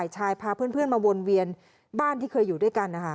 ชายพาเพื่อนมาวนเวียนบ้านที่เคยอยู่ด้วยกันนะคะ